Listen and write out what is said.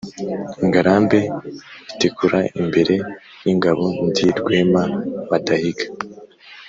Ngarambe itikura imbere y'ingabo ndi Rwema badahiga,